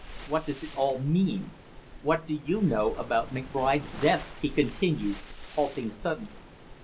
"What does it all mean? What do you know about McBride's death?" he continued, halting suddenly.